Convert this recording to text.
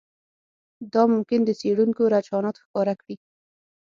دا ممکن د څېړونکو رجحانات ښکاره کړي